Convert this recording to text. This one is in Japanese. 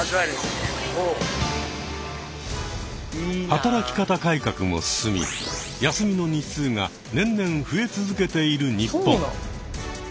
働き方改革も進み休みの日数が年々増え続けている日本。